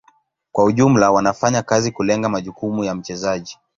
Kwa ujumla wanafanya kazi kulenga majukumu ya mchezaji.